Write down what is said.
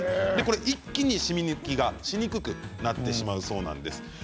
一気にしみ抜きがしにくくなってしまうそうです。